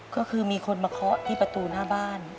ก็คือมีคนมาเคาะที่ประตูหน้าบ้าน